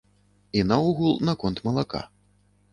І наогул, наконт малака.